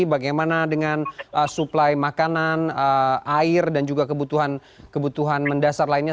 bagaimana dengan suplai makanan air dan juga kebutuhan mendasar lainnya